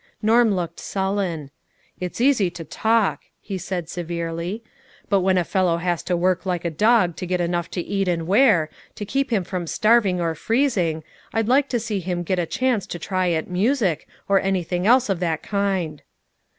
Norm looked sullen. " It's easy to talk," he said severely, " but when a fellow has to work like a dog to get enough to eat and wear, to keep him from starving or freezing, I'd like to see him get a chance to try at music, or anything else of that kind